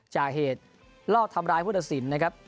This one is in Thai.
จากเหตุลอบทำร้ายผู้ตัดสินนะครับ